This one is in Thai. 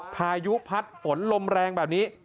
พายุพัดฝนลมแรงแบบนี้